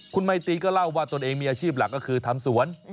คุณไมตีก็เล่าว่าตนเองมีอาชีพหลักก็คือทำสวน